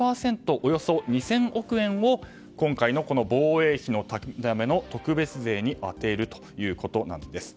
およそ２０００億円を今回の防衛費のための特別税に充てるということです。